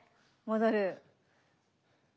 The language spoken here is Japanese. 戻る。